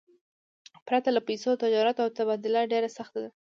پرته له پیسو، تجارت او تبادله ډېره سخته ده.